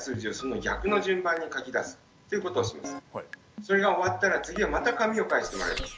それが終わったら次はまた紙を返してもらいます。